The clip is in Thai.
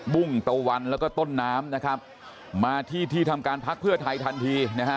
ุ้งตะวันแล้วก็ต้นน้ำนะครับมาที่ที่ทำการพักเพื่อไทยทันทีนะฮะ